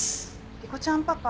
莉子ちゃんパパ